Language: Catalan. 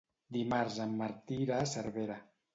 Dimarts en Martí irà a Cervera.